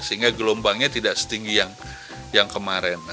sehingga gelombangnya tidak setinggi yang kemarin